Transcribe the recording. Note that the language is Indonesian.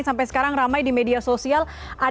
sampai sekarang ramai di media sosial